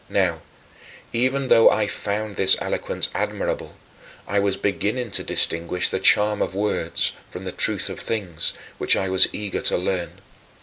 Now, even though I found this eloquence admirable, I was beginning to distinguish the charm of words from the truth of things, which I was eager to learn.